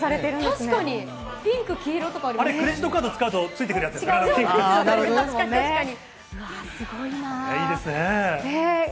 確かに、ピンク、黄色とかあクレジットカード使うとつい確かに、確かに。